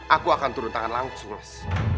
aku akan turun tangan langsung mas